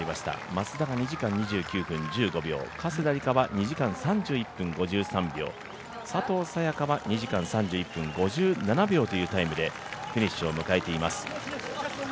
松田が２時間２９分１５秒加世田梨花は２時間３１分５３秒、佐藤早也伽は２時間３１分５７秒というタイムでフィニッシュを迎えています。